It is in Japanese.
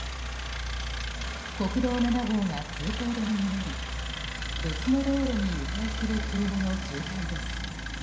国道７号が通行止めになり別の道路に迂回する車の渋滞です。